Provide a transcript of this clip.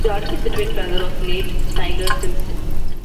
Jordan is the twin brother of the late Tyler Simpson.